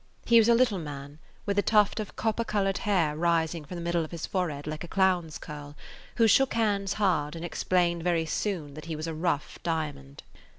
He was a little man, with a tuft of copper colored hair rising from the middle of his forehead like a clown's curl, who shook hands hard and explained very soon that he was a rough diamond.